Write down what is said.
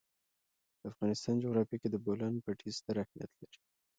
د افغانستان جغرافیه کې د بولان پټي ستر اهمیت لري.